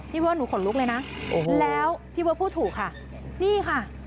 เบิร์ดหนูขนลุกเลยนะแล้วพี่เบิร์ตพูดถูกค่ะนี่ค่ะ